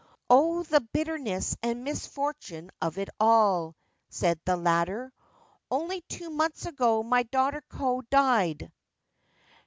c Oh, the bitterness and misfortune of it all !' said the latter. ' Only two months ago my daughter Ko died.